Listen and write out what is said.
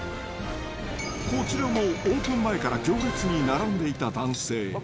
こちらもオープン前から行列に並んでいた男性。